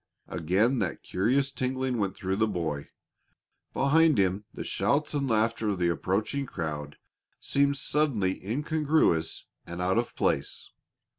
Again that curious tingling went through the boy. Behind him the shouts and laughter of the approaching crowd seemed suddenly incongruous and out of place.